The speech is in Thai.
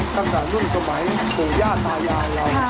ตั้งแต่รุ่นสมัยปู่ย่าตายายเรา